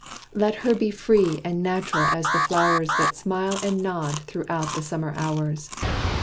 "Let her be free and natural as the flowers, That smile and nod throughout the summer hours.